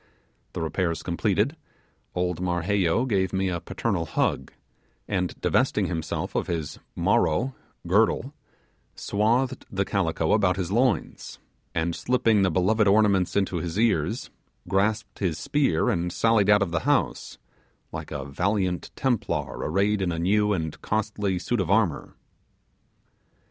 The repairs completed, old Marheyo gave me a paternal hug; and divesting himself of his 'maro' (girdle), swathed the calico about his loins, and slipping the beloved ornaments into his ears, grasped his spear and sallied out of the house, like a valiant Templar arrayed in a new and costly suit of armour.